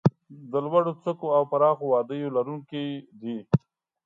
د لوړو څوکو او پراخو وادیو لرونکي دي.